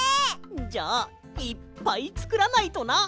じゃあいっぱいつくらないとな。